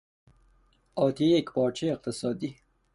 آتیهی یکپارچگی اقتصادی اروپا